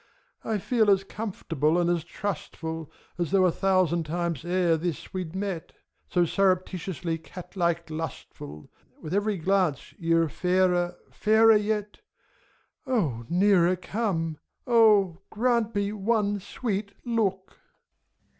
I feel as comfortable and as trustful. As though a thousand times ere this we'd met! So surreptitiously catlike lustful: With every glance ye're fairer, fairer yet. O, nearer come, — 0, grant me one sweet look